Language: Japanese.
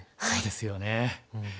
そうですよね。